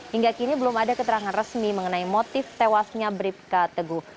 hingga kini belum ada keterangan resmi mengenai motif tewasnya bribka teguh